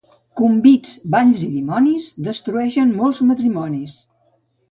Convits, balls i dimonis destrueixen molts matrimonis.